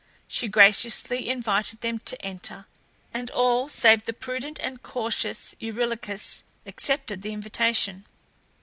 She graciously invited them to enter, and all save the prudent and cautious Eurylochus accepted the invitation.